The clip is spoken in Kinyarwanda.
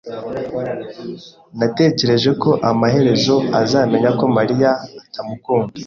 Natekereje ko amaherezo azamenya ko Mariya atamukunda.